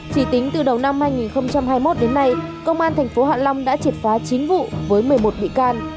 chỉ tính từ đầu năm hai nghìn hai mươi một đến nay công an tp hạ long đã triệt phá chín vụ với một mươi một bị can